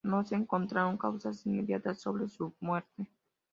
No se encontraron causas inmediatas sobre su muerte.